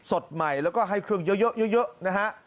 สดใหม่แล้วก็ให้เครื่องเยอะนะฮะ